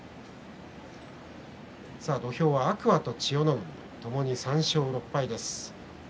土俵は天空海と千代の海ともに３勝６敗です。